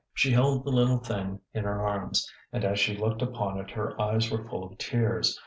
She held the little thing in her arms, and as she looked upon it her eyes were full of tears.